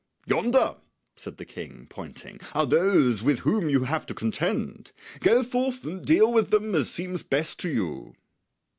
"Yonder," said the King, pointing, "are those with whom you have to contend; go forth and deal with them as seems best to you."